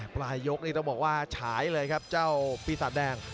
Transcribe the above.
ปลายยกนี่ต้องบอกว่าฉายเลยครับเจ้าปีศาจแดง